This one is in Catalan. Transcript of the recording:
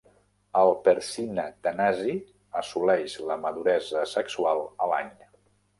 El Percina tanasi assoleix la maduresa sexual a l'any.